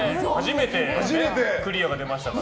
初めてクリアが出ましたから。